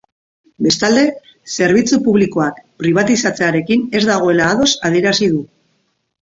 Bestalde, zerbitzu publikoak pribatizatzearekin ez dagoela ados adierazi du.